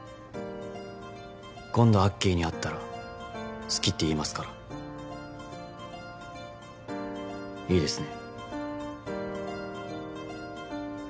今度アッキーに会ったら好きって言いますからいいですね